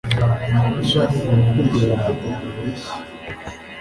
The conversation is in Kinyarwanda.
Nashakaga kwizera ko Bobo abeshya